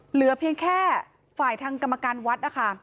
เหลือเพียงแค่ฝ่ายทางกรรมการวัดนะคะ